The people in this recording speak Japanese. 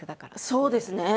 そうですね。